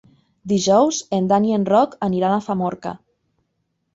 Dijous en Dan i en Roc aniran a Famorca.